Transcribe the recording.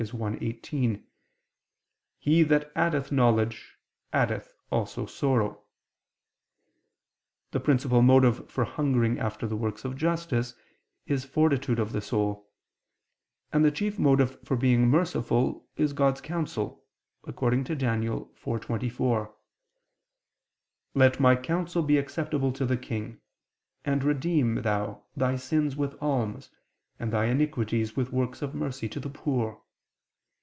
1:18: "He that addeth knowledge, addeth also sorrow [Vulg: labor]." The principal motive for hungering after the works of justice is fortitude of the soul: and the chief motive for being merciful is God's counsel, according to Dan. 4:24: "Let my counsel be acceptable to the king [Vulg: to thee, O king]: and redeem thou thy sins with alms, and thy iniquities with works of mercy to the poor."